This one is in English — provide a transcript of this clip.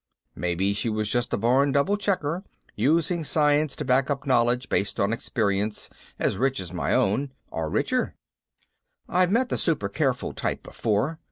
Maybe she was just a born double checker, using science to back up knowledge based on experience as rich as my own or richer. I've met the super careful type before.